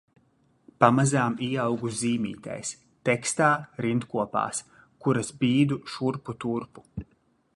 Pamazām ieaugu zīmītēs, tekstā, rindkopās, kuras bīdu šurpu turpu.